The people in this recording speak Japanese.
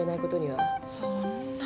そんな。